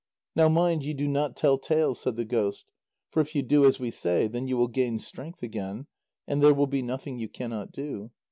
"Now mind you do not tell tales," said the ghost, "for if you do as we say, then you will gain strength again, and there will be nothing you cannot do."